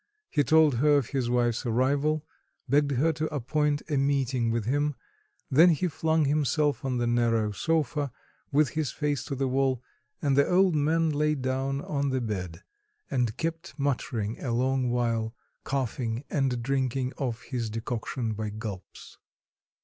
He told her of his wife's arrival, begged her to appoint a meeting with him, then he flung himself on the narrow sofa, with his face to the wall; and the old man lay down on the bed, and kept muttering a long while, coughing and drinking off his decoction by gulps.